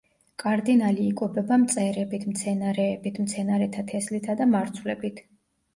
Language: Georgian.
კარდინალი იკვებება მწერებით, მცენარეებით, მცენარეთა თესლითა და მარცვლებით.